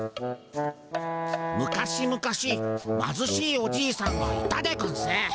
昔々まずしいおじいさんがいたでゴンス。